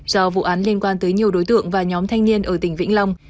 do vụ án liên quan tới nhiều đối tượng và nhóm thanh niên ở tỉnh vĩnh long